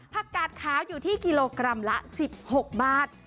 กาดขาวอยู่ที่กิโลกรัมละ๑๖บาท